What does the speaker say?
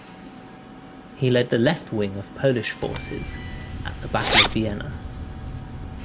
He led the left wing of Polish forces at the Battle of Vienna.